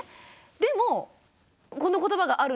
でもこの言葉があるんだ。